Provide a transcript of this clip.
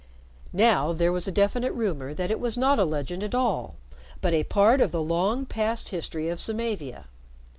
Now there was a definite rumor that it was not a legend at all, but a part of the long past history of Samavia.